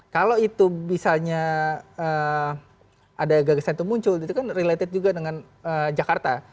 kalau itu misalnya ada gagasan itu muncul itu kan related juga dengan jakarta